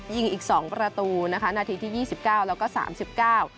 ยิงอีกสองประตูนะคะนาทีที่ยี่สิบเก้าแล้วก็สามสิบเก้า